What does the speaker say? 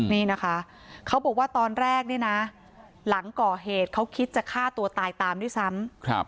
นี่นะคะเขาบอกว่าตอนแรกเนี่ยนะหลังก่อเหตุเขาคิดจะฆ่าตัวตายตามด้วยซ้ำ